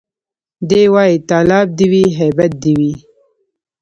دی وايي تالب دي وي هيبت دي وي